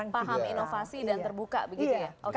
paham inovasi dan terbuka begitu ya